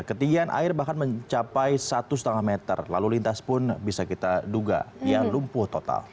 ketinggian air bahkan mencapai satu lima meter lalu lintas pun bisa kita duga yang lumpuh total